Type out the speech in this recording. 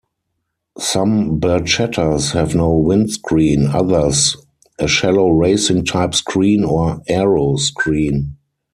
Some barchettas have no windscreen; others, a shallow racing-type screen or aero screen.